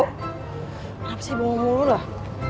kenapa sih bawa mulu dah